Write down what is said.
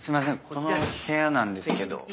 この部屋なんですけど。